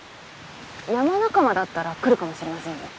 山仲間だったら来るかもしれませんよ。